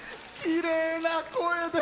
きれいな声で。